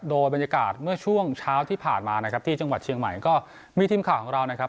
โดยบรรยากาศเมื่อช่วงเช้าที่ผ่านมานะครับที่จังหวัดเชียงใหม่ก็มีทีมข่าวของเรานะครับ